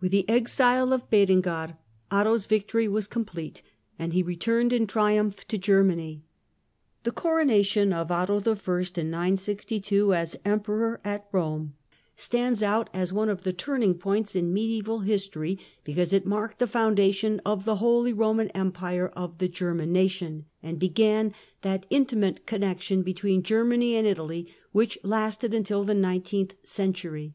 With tlie exile of Berengar, Otto's victory was complete, and he returned in triumph to Germany. The coronation of Otto I. as Emperor at Eome stands out as one of the turning points in mediaeval history, because it marked the foundation of the " Holy Roman Empire of the German Nation," and began that intimate connexion between Germany and Italy which lasted until the nineteenth century.